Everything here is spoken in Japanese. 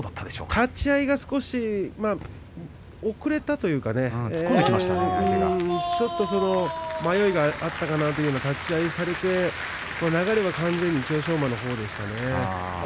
立ち合いが少し、遅れたというかちょっとその迷いがあったかなという立ち合いをされて流れは完全に千代翔馬のほうでしたね。